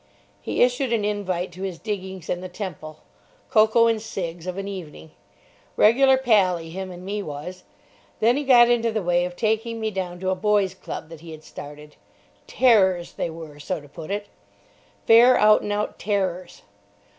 He issued an invite to his diggings in the Temple. Cocoa and cigs. of an evening. Regular pally, him and me was. Then he got into the way of taking me down to a Boys' Club that he had started. Terrors they were, so to put it. Fair out and out terrors.